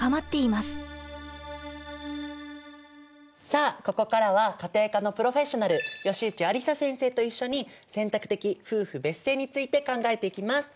さあここからは家庭科のプロフェッショナル葭内ありさ先生と一緒に選択的夫婦別姓について考えていきます。